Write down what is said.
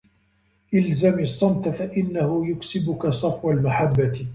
الْزَمْ الصَّمْتَ فَإِنَّهُ يُكْسِبُك صَفْوَ الْمَحَبَّةِ